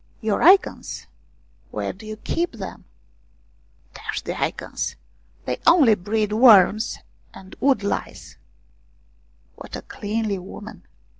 " Your Icons. Where do you keep them ?"" Dash the Icons ! They only breed worms and wood lice." What a cleanly woman